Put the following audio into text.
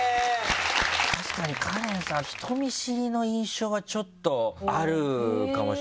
確かにカレンさん人見知りの印象はちょっとあるかもしれないです。